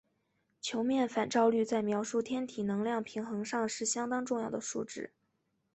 球面反照率在描述天体能量平衡上是相当重要的数值。